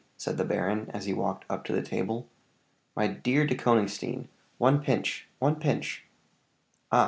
said the baron, as he walked up to the table. "My dear De Konigstein one pinch one pinch!" "Ah!